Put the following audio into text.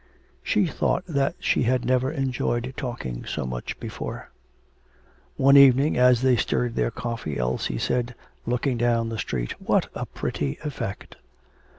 She thought that she had never enjoyed talking so much before. One evening, as they stirred their coffee, Elsie said, looking down the street, 'What a pretty effect.'